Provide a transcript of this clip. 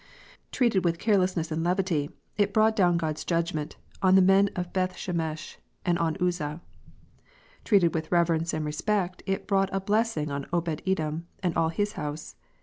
Treated with carelessness and levity, it brought down God s judgment on the men of Bethsheniesh, and on Uzza. Treated with reverence and respect, it brought a blessing on Obed edom and all his house.